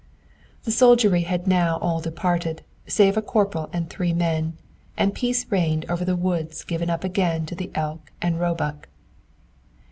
The soldiery had now all departed, save a corporal and three men, and peace reigned over the woods given up again to the elk and roebuck.